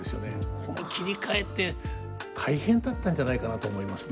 この切り替えって大変だったんじゃないかなと思いますね。